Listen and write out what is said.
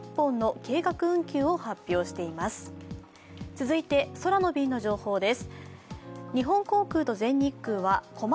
続いて空の便の情報です。